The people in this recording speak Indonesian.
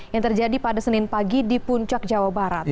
yang terjadi pada senin pagi di puncak jawa barat